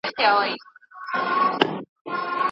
له ساحله خبر نه یم د توپان کیسه کومه